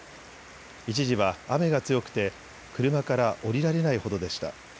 一時は雨が強くて車から降りられないほどでした。